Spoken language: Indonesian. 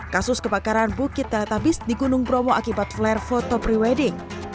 kasus kebakaran bukit teletabis di gunung bromo akibat flare foto pre wedding